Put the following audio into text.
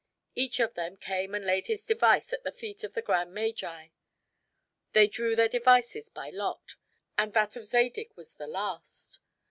Each of them came and laid his device at the feet of the grand magi. They drew their devices by lot; and that of Zadig was the last.